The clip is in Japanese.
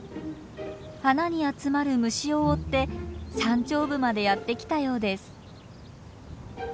花に集まる虫を追って山頂部までやって来たようです。